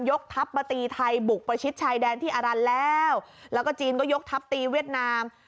กทัพมาตีไทยบุกประชิดชายแดนที่อารันแล้วแล้วก็จีนก็ยกทัพตีเวียดนาม